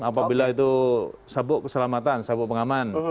apabila itu sabuk keselamatan sabuk pengaman